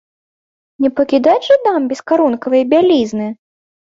Не пакідаць жа дам без карункавай бялізны!